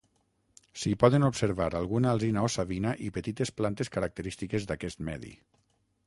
S'hi poden observar alguna alzina o savina i petites plantes característiques d'aquest medi.